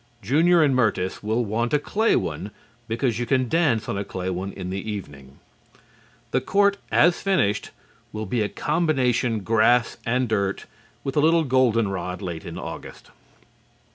Junior and Myrtis will want a clay one because you can dance on a clay one in the evening. The court as finished will be a combination grass and dirt, with a little golden rod late in August.